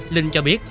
linh cho biết